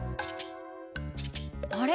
あれ？